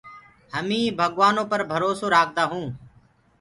همي ڀگوآنو پر ڀروسو رآکدآ هونٚ۔